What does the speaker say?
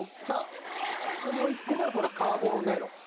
さあもう１個がこれカーボロネロ。